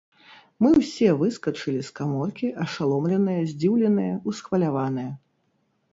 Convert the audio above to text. Мы ўсе выскачылі з каморкі, ашаломленыя, здзіўленыя, усхваляваныя.